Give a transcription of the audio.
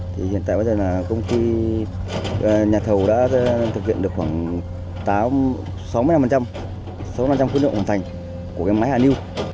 thì hiện tại bây giờ là công ty nhà thầu đã thực hiện được khoảng sáu mươi năm quyết định hoàn thành của cái máy hạ nưu